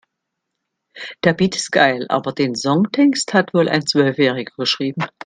Der Beat ist geil, aber den Songtext hat wohl ein Zwölfjähriger geschrieben.